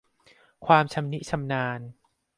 ความชำนิชำนาญ